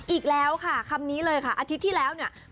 อีกแล้วค่ะคำนี้เลยค่ะอาทิตย์ที่แล้วเนี่ย